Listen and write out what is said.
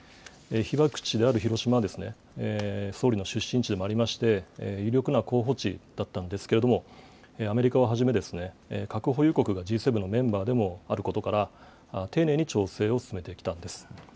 被爆地である広島は、総理の出身地でもありまして、有力な候補地だったんですけれども、アメリカをはじめ、核保有国がＧ７のメンバーでもあることから、丁寧に調整を進めてきたんです。